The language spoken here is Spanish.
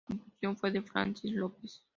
La composición fue de Francis López.